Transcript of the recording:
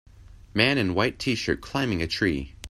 Man in white tshirt climbing a tree.